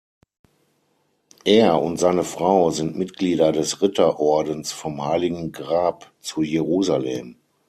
Er und seine Frau sind Mitglieder des Ritterordens vom Heiligen Grab zu Jerusalem.